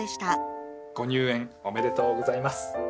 ご入園おめでとうございます。